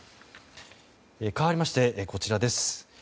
かわりまして、こちらです。